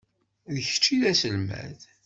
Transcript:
D kečč i d aselmad.